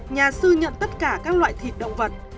nhà sư nhận tất cả các loại thịt động vật